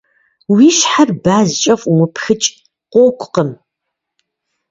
Уи щхьэр базкӏэ фӏумыпхыкӏ, къокӏукъым.